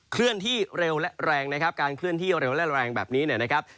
เคลื่อนที่เร็วและแรงนะครับการเคลื่อนที่เร็วและแรงแบบนี้เนี่ยนะครับ